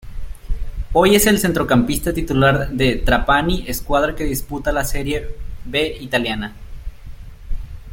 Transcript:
Hoy es el centrocampista titular del Trapani escuadra que disputa la Serie B italiana.